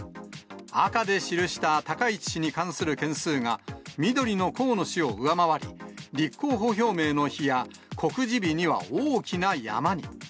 赤で記した高市氏に関する件数が緑の河野氏を上回り、立候補表明の日や、告示日には大きな山に。